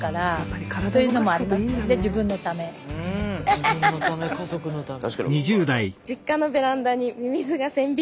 自分のため家族のため。